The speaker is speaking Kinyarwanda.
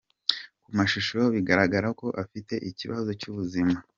Ku mashusho bigaragara ko afite ikibazo cy’ubuzima